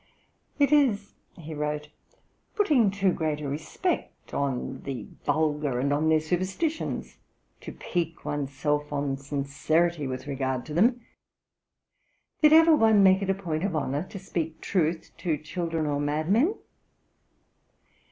'It is,' he wrote, 'putting too great a respect on the vulgar and on their superstitions to pique one's self on sincerity with regard to them. Did ever one make it a point of honour to speak truth to children or madmen?